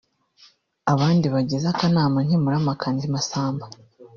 Abandi bagize akanama nkemurampaka ni Masamba